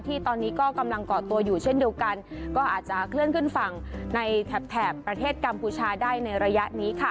ที่ตอนนี้ก็กำลังเกาะตัวอยู่เช่นเดียวกันก็อาจจะเคลื่อนขึ้นฝั่งในแถบแถบประเทศกัมพูชาได้ในระยะนี้ค่ะ